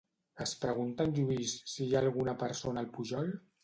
Es pregunta en Lluís si hi ha alguna persona al pujol?